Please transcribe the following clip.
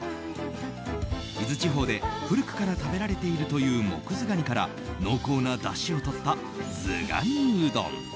伊豆地方で古くから食べられているというモクズガニから濃厚なだしをとったずがにうどん。